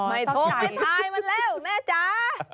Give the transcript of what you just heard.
อ๋อไม่ท้องไม่ทายมันแล้วแม่จ๋า